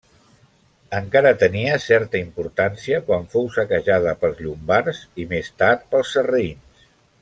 Encara tenia certa importància quan fou saquejada pels llombards i més tard pels sarraïns.